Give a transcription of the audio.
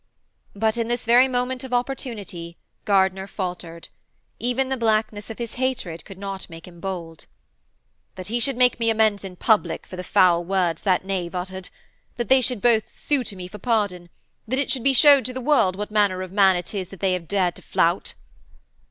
But, in this very moment of his opportunity, Gardiner faltered. Even the blackness of his hatred could not make him bold. 'That he should make me amends in public for the foul words that knave uttered. That they should both sue to me for pardon: that it should be showed to the world what manner of man it is that they have dared to flout.'